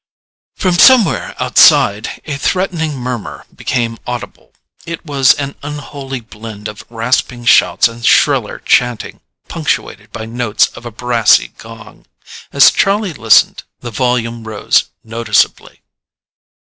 From somewhere outside, a threatening murmur became audible. It was an unholy blend of rasping shouts and shriller chanting, punctuated by notes of a brassy gong. As Charlie listened, the volume rose noticeably.